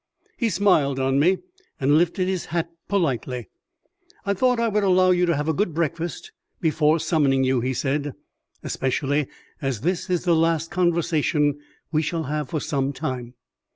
He smiled on me and lifted his hat politely. "I thought I would allow you to have a good breakfast before summoning you," he said, "especially as this is the last conversation we shall have for some time."